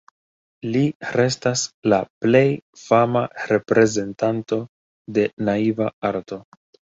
Li restas la plej fama reprezentanto de naiva arto.